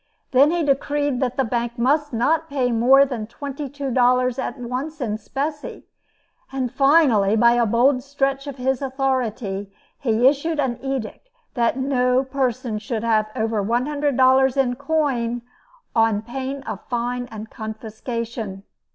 Then he decreed that the bank must not pay more than $22 at once in specie; and, finally, by a bold stretch of his authority, he issued an edict that no person should have over $100 in coin, on pain of fine and confiscation.